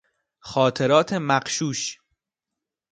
خاطرات مغشوش